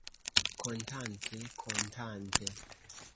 Kontante, kontante.